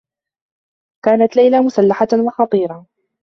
كانت ليلى مسلّحة و خطيرة.